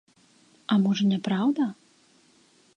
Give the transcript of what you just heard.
А можа, не праўда?!